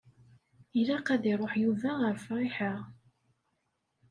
Ilaq ad iṛuḥ Yuba ɣer Friḥa.